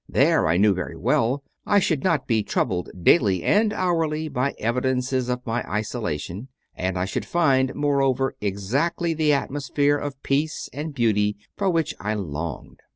There, I knew very well, I should not be troubled daily and hourly by evidences of my isolation, and I should find, moreover, exactly the atmosphere of peace and beauty for which I longed.